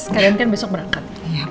kalian kan besok berangkat